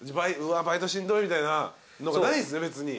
バイトしんどいみたいなのがないんすね別に。